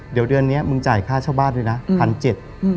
เดี๋ยวเดือนนี้มึงจ่ายค่าเช่าบ้านด้วยนะ๑๗๐๐บาท